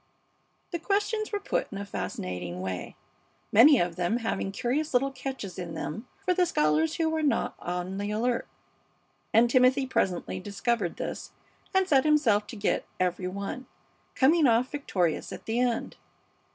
The questions were put in a fascinating way, many of them having curious little catches in them for the scholars who were not on the alert, and Timothy presently discovered this and set himself to get every one, coming off victorious at the end.